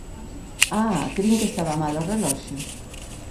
¡Ah!, crin que estaba mal o reloxo.